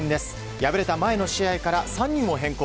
敗れた前の試合から３人を変更。